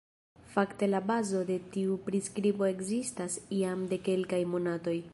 Fakte la bazo de tiu priskribo ekzistas jam de kelkaj monatoj.